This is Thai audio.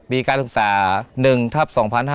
มีการศึกษา๑ทัพ๒๕๕๙